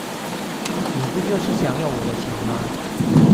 你不就是想要我的錢嗎?